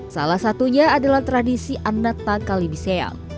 salah satunya adalah tradisi annata kalibiseyang